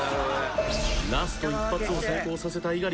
ラスト１発を成功させた猪狩君。